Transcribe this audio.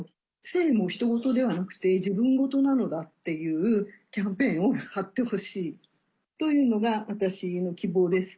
性もひとごとではなくて自分事なのだっていうキャンペーンを張ってほしいというのが私の希望です。